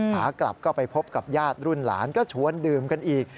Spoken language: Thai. ขากลับก็ไปพบกับญาติรุ่นหลานก็ชวนดื่มกันอีก